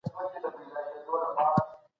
مذاکرات د شخړو ښه حل دی.